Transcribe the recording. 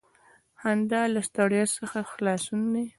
• خندا له ستړیا څخه خلاصون دی.